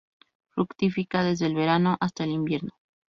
Fructifica desde el verano hasta el invierno.